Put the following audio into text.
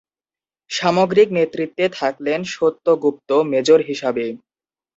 সামগ্রিক নেতৃত্বে থাকলেন সত্য গুপ্ত 'মেজর' হিসাবে।